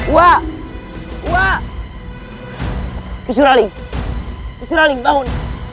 wah wah kicuraling kicuraling bangun